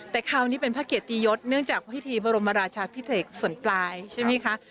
แต่คราวนี้เป็นพระเกียรติยศเนื่องจากพิธีบรมราชาพิเศษส่วนปลายใช่ไหมคะ